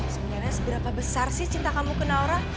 sebenernya seberapa besar sih cinta kamu ke naora